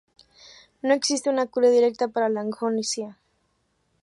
No existe una cura directa para la agnosia.